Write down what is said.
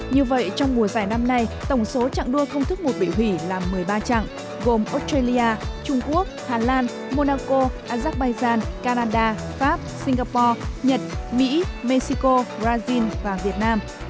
như vậy trong mùa giải năm nay tổng số chặng đua công thức một bị hủy là một mươi ba chặng gồm australia trung quốc hà lan monaco azerbaijan canada pháp singapore nhật mỹ mexico brazil và việt nam